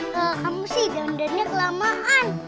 kamu sih gandarnya kelamaan